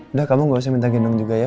udah kamu gak usah minta gendong juga ya